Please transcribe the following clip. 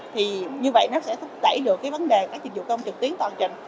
thì như vậy nó sẽ thúc đẩy được cái vấn đề các dịch vụ công trực tuyến toàn trình